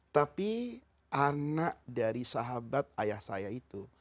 tapi anak dari sahabat ayah saya itu